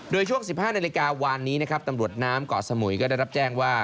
โดยช่วง๑๕นาฬิกาวานนี้นะครับตำรวจน้ำเกาะสมุยก็ได้รับแจ้งว่า